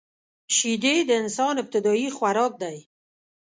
شیدې د انسان ابتدايي خوراک دی